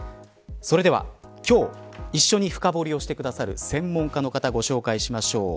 それでは今日一緒に深掘りをして下さる専門家の方ご紹介しましょう。